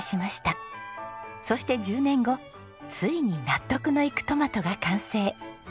そして１０年後ついに納得のいくトマトが完成。